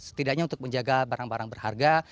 setidaknya untuk menjaga barang barang berharga